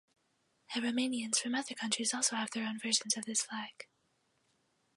Aromanians from other countries also have their own versions of this flag.